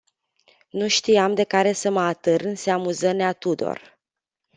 Nu știam de care să mă atârn se amuză nea Tudor.